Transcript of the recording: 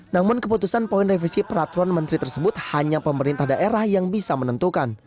namun keputusan poin revisi peraturan menteri tersebut hanya pemerintah daerah yang bisa menentukan